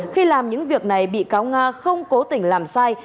khi làm những việc này bị cáo nga không cố tình làm sai